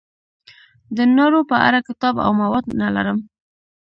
د نارو په اړه کتاب او مواد نه لرم.